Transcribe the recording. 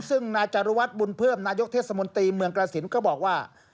ซึ่งนายจารุวัฒน์บุญเพิ่มนายกเทศมนตรีเมืองกรสินก็บอกว่า